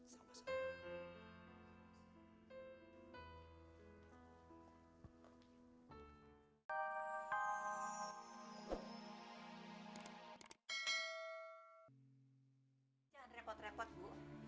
jangan repot repot bu